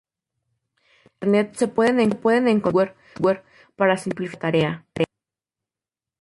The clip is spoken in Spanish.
En internet se pueden encontrar software para simplificar esta tarea.